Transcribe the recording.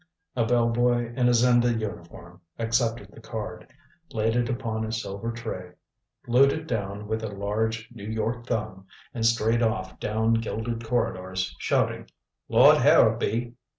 A bell boy in a Zenda uniform accepted the card, laid it upon a silver tray, glued it down with a large New York thumb, and strayed off down gilded corridors shouting, "Lord Harrowby."